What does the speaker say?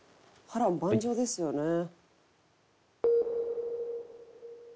波瀾万丈ですよね」